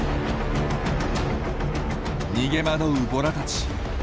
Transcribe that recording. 逃げ惑うボラたち。